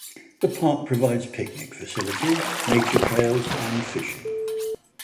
The park provides picnic facilities, nature trails, and fishing.